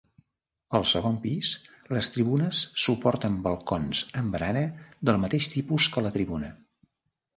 Al segon pis les tribunes suporten balcons amb barana del mateix tipus que la tribuna.